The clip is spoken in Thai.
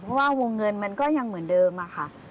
เพราะว่าวงเงินมันก็ยังเหมือนเดิมค่ะ